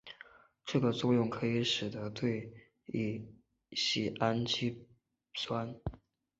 这个作用可以使得对乙酰氨基酚。